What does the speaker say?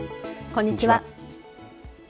こんにちは。